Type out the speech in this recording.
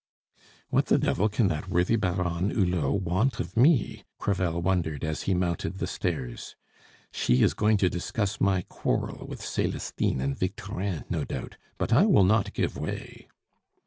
"What the devil can that worthy Baronne Hulot want of me?" Crevel wondered as he mounted the stairs. "She is going to discuss my quarrel with Celestine and Victorin, no doubt; but I will not give way!"